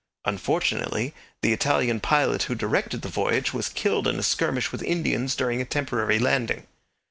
Unfortunately, the Italian pilot who directed the voyage was killed in a skirmish with Indians during a temporary landing.